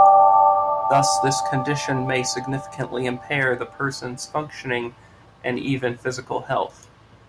Thus, this condition may significantly impair the person's functioning and even physical health.